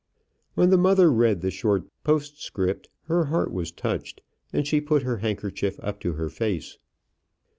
When the mother read the short postscript her heart was touched, and she put her handkerchief up to her face.